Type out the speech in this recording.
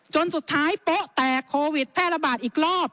จนสุดท้ายโป๊ะแตกโควิดแพร่ระบาดอีกรอบ